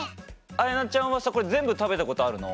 あやなちゃんはさこれぜんぶたべたことあるの？